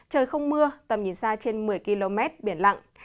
trời không mưa tầm nhìn xa trên một mươi km biển lặng